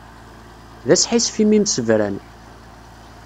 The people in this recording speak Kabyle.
D asḥissef imi msebran.